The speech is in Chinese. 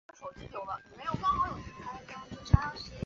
它是美墨战争里第一个在美国边境发生的主要冲突点。